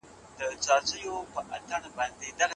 كه له کور څخه د باندي خدمتونه وه، نو خادم به نارينه وي.